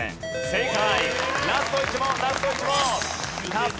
正解！